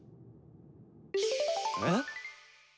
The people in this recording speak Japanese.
えっ。